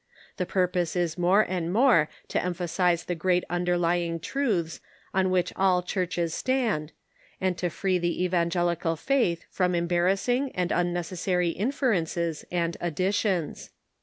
The purpose is more and more to emphasize the great underlying truths on which all the churches stand, and to free the evan gelical faith from embarrassing and unnecessary inferences and additions.